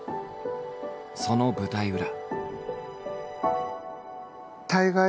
その舞台裏。